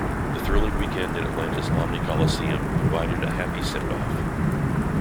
The thrilling weekend in Atlanta's Omni Coliseum provided a happy sendoff.